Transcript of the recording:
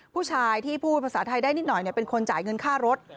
ผู้ชายที่พูดภาษาไทยได้นิดหน่อยเป็นคนจ่ายเงินค่ารถ